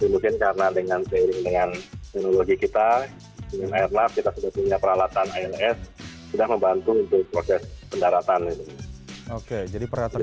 mungkin karena dengan seiring dengan teknologi kita dengan airnav kita sudah punya peralatan ils sudah membantu untuk proses pendaratan